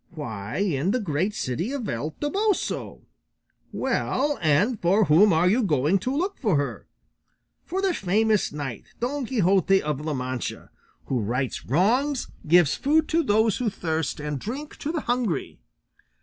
Why, in the great city of El Toboso. Well, and for whom are you going to look for her? For the famous knight Don Quixote of La Mancha, who rights wrongs, gives food to those who thirst and drink to the hungry.